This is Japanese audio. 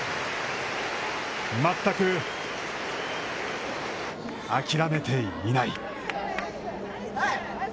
全く諦めていない。